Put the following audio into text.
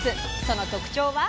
その特徴は。